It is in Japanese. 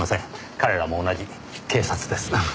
彼らも同じ警察です。